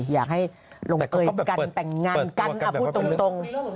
อยากให้ลงเอยกันแต่งงานกันพูดตรง